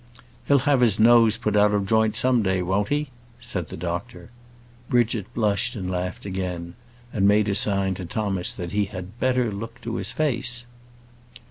"He'll have his nose put out of joint some day; won't he?" said the doctor. Bridget blushed and laughed again, and made a sign to Thomas that he had better look to his face.